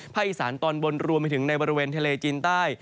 อีสานตอนบนรวมไปถึงในบริเวณทะเลจีนใต้